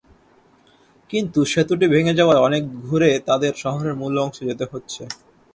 কিন্তু সেতুটি ভেঙে যাওয়ায় অনেক ঘুরে তাদের শহরের মূল অংশে যেতে হচ্ছে।